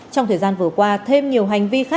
trong thời gian vừa qua thêm nhiều hành vi khác vi phạm